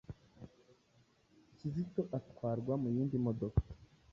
Kizito atwarwa mu yindi modoka